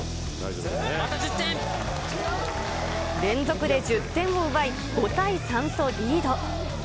連続で１０点を奪い、５対３とリード。